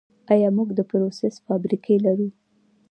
آیا موږ د پروسس فابریکې لرو؟